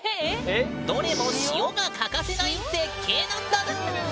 どれも「塩」が欠かせない絶景なんだぬーん！